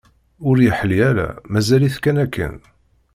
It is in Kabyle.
Ur yeḥli ara, mazal-it kan akken.